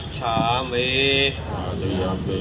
อธินาธานะเวระมะนิสิขาปะทังสมาธิยามี